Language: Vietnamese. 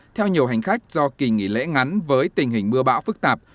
theo nhiều hành khách do kỳ nghỉ lễ ngắn với tình hình mưa bão phức tạp